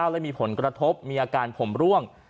และมีผลกระทบมีอาการผมร่วง